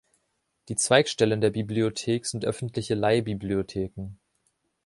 Die Zweigstellen der Bibliothek sind öffentliche Leihbibliotheken.